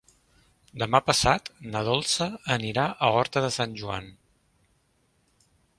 Demà passat na Dolça anirà a Horta de Sant Joan.